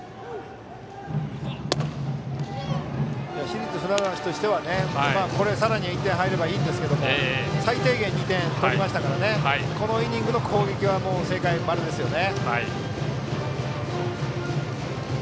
市立船橋としては、ここでさらに１点入ればいいですけど最低限２点を取りましたからこのイニングの攻撃は正解ですね。